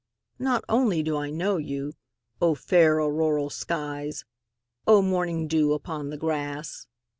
Now only do I know you!O fair auroral skies! O morning dew upon the grass!